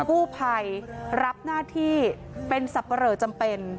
ผู้ภัยรับหน้าที่เป็นสับปะเหลอจำเป็น